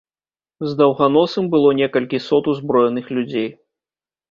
З даўганосым было некалькі сот узброеных людзей.